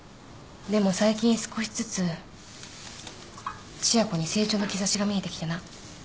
でも最近少しずつ千夜子に成長の兆しが見えてきてな。